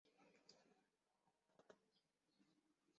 是日本的女性声优。